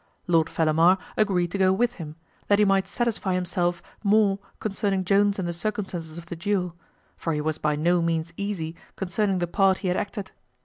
Lord Fellamar agreed to go with him, that he might satisfy himself more concerning Jones and the circumstances of the duel; for he was by no means easy concerning the part he had acted.